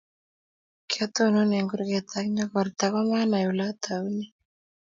Kiatonon eng kurget ak nyokorta komanai oleataunee